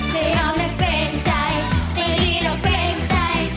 ไม่เอานะเกรงใจยังไงก็เกรงใจ